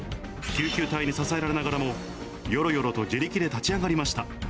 救急隊に支えられながらも、よろよろと自力で立ち上がりました。